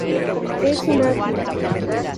Es un ácido.